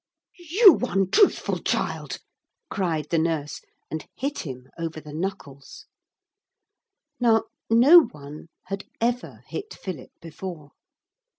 'You untruthful child!' cried the nurse, and hit him over the knuckles. Now, no one had ever hit Philip before.